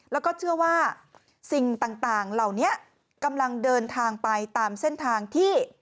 แล้วก็เชื่อว่าสิ่งต่างเหล่านี้กำลังเดินทางไปตามเส้นทางที่